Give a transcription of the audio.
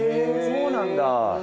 そうなんだ。